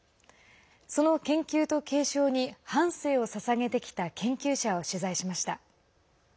その研究と継承に半生をささげてきた研究者を取材しました。